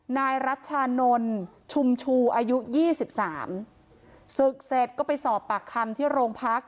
นายรัชชานนท์ชุมชูอายุยี่สิบสามศึกเสร็จก็ไปสอบปากคำที่โรงพัก